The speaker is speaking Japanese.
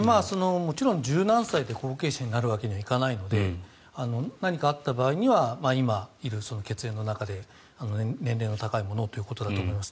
もちろん１０何歳で後継者になるわけにはいかないので何かあった場合には今いる血縁の中で年齢の高い者をということだと思います。